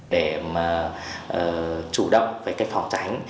để mà chủ động với cách phòng tránh